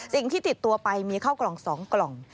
สิ่งที่ติดตัวไปมีข้าวกล่อง๒กล่อง